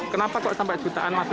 kenapa kok sampai jutaan